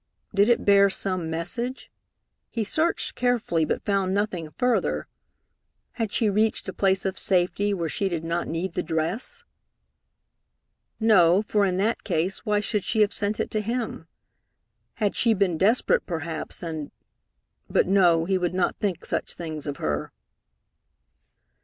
Did it bear some message? He searched carefully, but found nothing further. Had she reached a place of safety where she did not need the dress? No, for in that case, why should she have sent it to him? Had she been desperate perhaps, and ? But no, he would not think such things of her.